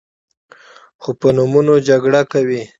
خو په نومونو جګړه کوي.